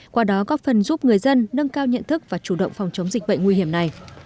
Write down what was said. qua đó góp phần giúp người dân nâng cao nhận thức và chủ động phòng chống dịch bệnh nguy hiểm này